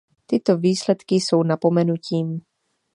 Tyto výsledky jsou napomenutím.